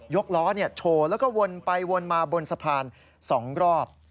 กล้อโชว์แล้วก็วนไปวนมาบนสะพาน๒รอบ